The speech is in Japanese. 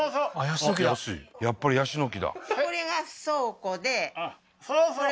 やっぱりヤシの木だ